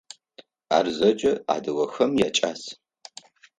Ар зэкӏэ адыгэхэм якӏас.